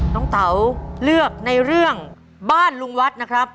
เต๋าเลือกในเรื่องบ้านลุงวัดนะครับ